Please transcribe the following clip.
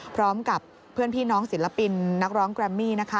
พร้อมกับเพื่อนพี่น้องศิลปินนักร้องแกรมมี่นะคะ